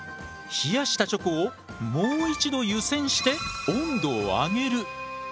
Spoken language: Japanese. ３冷やしたチョコをもう一度湯せんして温度を上げる。